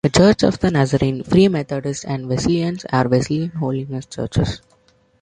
The Church of the Nazarene, Free Methodists and Wesleyans are Wesleyan Holiness churches.